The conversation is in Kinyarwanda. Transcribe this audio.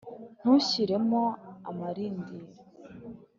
ntushyiremo amarindira,